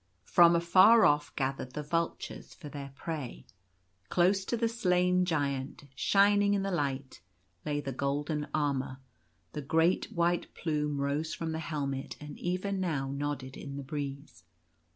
From afar off gathered the vultures for their prey. Close to the slain Giant, shining in the light, lay the golden armour. The great white plume rose from the helmet and even now nodded in the breeze.